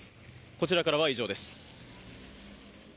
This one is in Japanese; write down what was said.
こちらからは以上です。